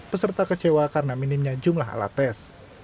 peserta kecewa karena minimnya jumlah alat tes